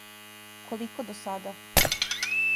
Колико до сада?